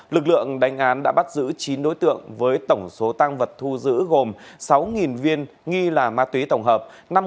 lực lượng đánh án đã bắt giữ chín đối tượng với tổng số tăng vật thu giữ gồm sáu viên nghi là ma túy tổng hợp